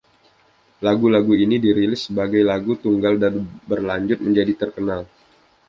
Lagu-lagu ini dirilis sebagai lagu tunggal dan berlanjut menjadi terkenal.